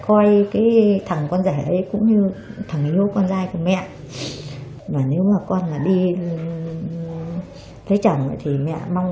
với cái thằng con rể cũng như thằng yêu con trai của mẹ và nếu mà con là đi lấy chồng thì mẹ mong